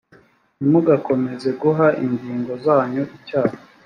ntimugakomeze guha ingingo zanyu icyaha